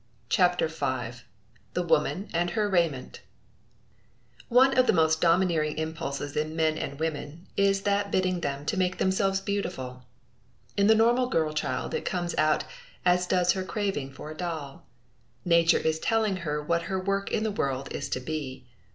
CHAPTER V A WOMAN AND HER RAIMENT One of the most domineering impulses in men and women is that bidding them to make themselves beautiful. In the normal girl child it comes out, as does her craving for a doll. Nature is telling her what her work in the world is to be.